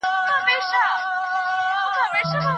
انسانان تل له میکروبونو سره مبارزه کوي.